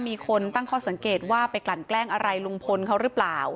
มีคนตั้งข้อสังเกตว่าไปกลั่นแกล้งอะไรลุงพลเขาหรือเปล่า